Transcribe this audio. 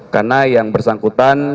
karena yang bersangkutan